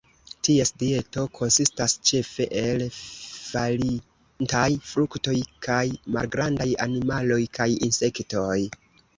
Ties dieto konsistas ĉefe el falintaj fruktoj kaj malgrandaj animaloj, kaj insektoj.